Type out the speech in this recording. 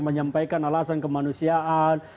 menyampaikan alasan kemanusiaan